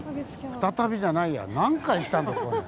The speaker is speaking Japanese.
「再び」じゃないや何回来たんだこれ。